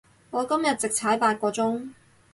我今日直踩八個鐘